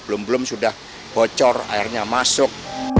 belum belum sudah bocor airnya masuk